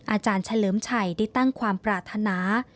อาจารย์เฉลิมชัยได้ตั้งความปรารถนา